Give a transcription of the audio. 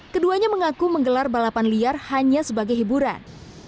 keduanya mengaku menggelar balapan liar hanya sebagai hiburan